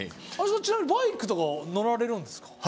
ちなみにバイクとか乗られるんですか？